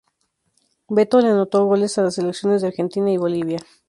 Beto le anotó goles a las selecciones de Argentina y Bolivia.